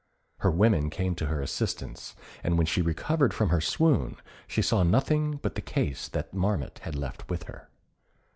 Her women came to her assistance, and, when she recovered from her swoon, she saw nothing but the case that Marmotte had left with her.